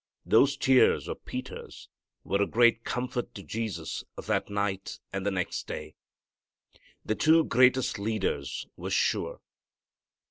Those tears of Peter's were a great comfort to Jesus that night and the next day. The two greatest leaders were sure.